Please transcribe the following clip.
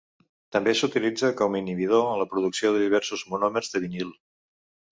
També s'utilitza com a inhibidor en la producció de diversos monòmers de vinil.